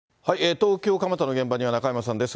東京・蒲田の現場には中山さんです。